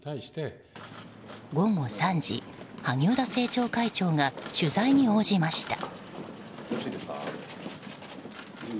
午後３時、萩生田政調会長が取材に応じました。